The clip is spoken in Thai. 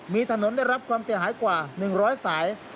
มีถนนได้รับความเสียหายกว่า๑๐๐สาย